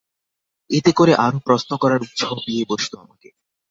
এতে করে আরো প্রশ্ন করার উৎসাহ পেয়ে বসল আমাকে।